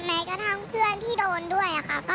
แม้กระทั่งเพื่อนที่โดนด้วยค่ะ